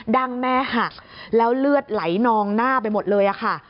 ั้งแม่หักแล้วเลือดไหลนองหน้าไปหมดเลยค่ะ